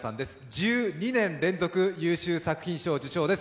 １２年連続、優秀作品賞受賞です。